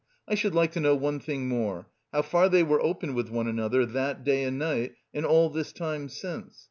I should like to know one thing more: how far they were open with one another that day and night and all this time since?